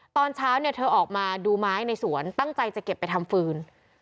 ตอนเช้าเนี่ยเธอออกมาดูไม้ในสวนตั้งใจจะเก็บไปทำฟืน